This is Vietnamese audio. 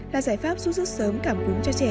là giải pháp giúp rất sớm cảm cúm cho trẻ